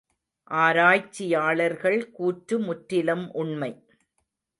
ஆராய்ச்சியாளர்கள் கூற்று முற்றிலும் உண்மை.